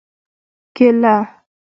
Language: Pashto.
🍌کېله